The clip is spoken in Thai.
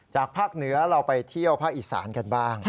ภาคเหนือเราไปเที่ยวภาคอีสานกันบ้าง